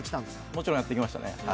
もちろんやってきましたね。